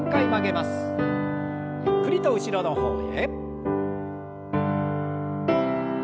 ゆっくりと後ろの方へ。